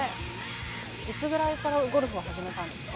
いつぐらいからゴルフは始めたんですか？